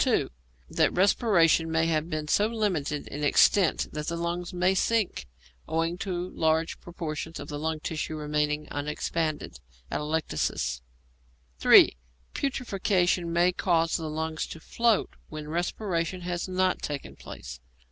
(2) That respiration may have been so limited in extent that the lungs may sink, owing to large portions of lung tissue remaining unexpanded (atelectasis). (3) Putrefaction may cause the lungs to float when respiration has not taken place.